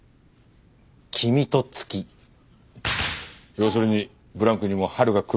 要するにブランクにも春が来るって事か？